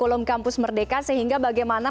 di kolom kampus merdeka sehingga bagaimana